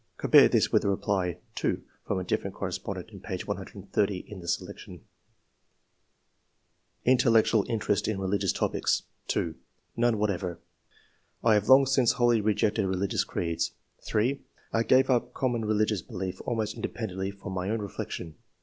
[Compare this with the reply, 2, from a different correspondent in p. 130 in the section, *' Intellectual interest in religious topics.''^ 2. " None whatever ; I have long since wholly rejected religious creeds." 3. " I gave up com mon religious belief almost independently from 'T own reflection."